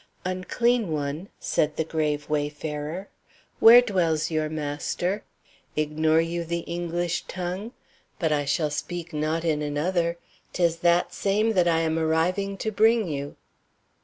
"Unclean one," said the grave wayfarer, "where dwells your master? Ignore you the English tongue? But I shall speak not in another; 'tis that same that I am arriving to bring you."